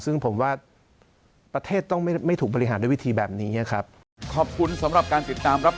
ซึ่งผมว่าประเทศต้องไม่ถูกบริหารด้วยวิธีแบบนี้นะครับ